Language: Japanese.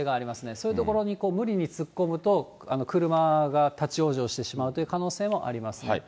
そういうところに無理に突っ込むと、車が立往生してしまうという可能性もありますね。